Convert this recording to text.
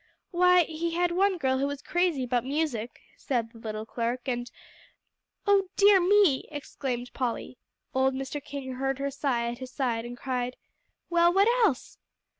"Why, he had one girl who was crazy about music," said the little clerk, "and " "Oh dear me!" exclaimed Polly. Old Mr. King heard her sigh at his side, and he cried, "Well, what else?"